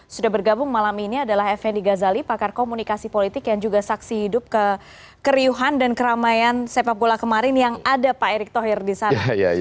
sudah bergabung malam ini adalah effendi ghazali pakar komunikasi politik yang juga saksi hidup kekeriuhan dan keramaian sepak bola kemarin yang ada pak erick thohir di sana